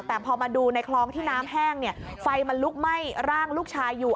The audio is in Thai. แต่พอมาดูในคลองที่น้ำแห้งไฟมันลุกไหม้ร่างลูกชายอยู่